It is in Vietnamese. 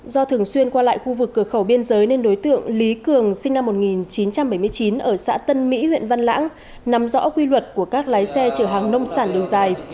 do thường xuyên qua lại khu vực cửa khẩu biên giới nên đối tượng lý cường sinh năm một nghìn chín trăm bảy mươi chín ở xã tân mỹ huyện văn lãng nắm rõ quy luật của các lái xe chở hàng nông sản đường dài